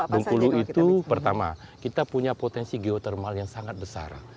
bengkulu itu pertama kita punya potensi geotermal yang sangat besar